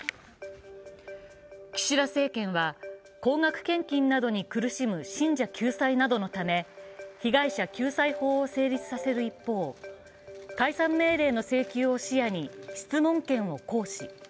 岸田政権は高額献金などに苦しむ信者救済などのため被害者救済法を成立させる一方、解散命令の請求を視野に質問権を行使。